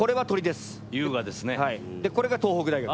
でこれが東北大学。